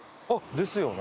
ですよね。